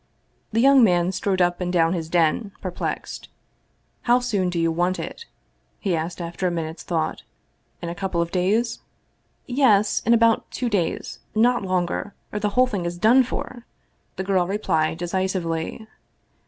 The young man strode up and down his den, perplexed. " How soon do you want it?" he asked, after a minute's thought. " In a couple of days?" " Yes, in about two days, not longer, or the whole thing is done for!" the girl replied decisively.